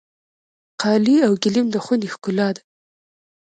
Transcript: قالي او ګلیم د خونې ښکلا ده.